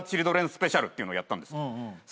スペシャルっていうのをやったんです。